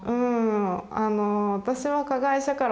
私は加害者から